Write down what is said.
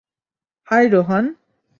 High, Rohan.